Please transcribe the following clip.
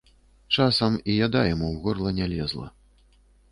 Часам і яда яму ў горла не лезла.